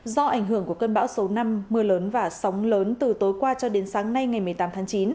do ảnh hưởng của cơn bão số năm mưa lớn và sóng lớn từ tối qua cho đến sáng nay ngày một mươi tám tháng chín